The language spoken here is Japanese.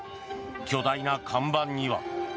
巨大な看板には。